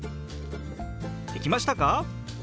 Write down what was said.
できましたか？